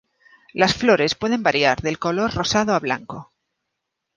Las flores pueden variar del color rosado a blanco.